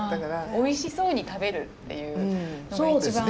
おいしそうに食べるっていうのが一番しっくりきますね。